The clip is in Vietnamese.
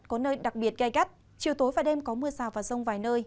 có nơi đặc biệt cay cắt chiều tối và đêm có mưa rào và rông vài nơi